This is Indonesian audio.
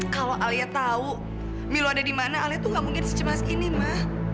kalau alia tahu milo ada di mana alia itu nggak mungkin secemas ini ma